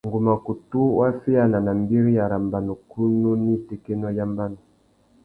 Ngu mà kutu waffeyāna nà mbîriya râ mbanukunú nà itékénô ya mbanu.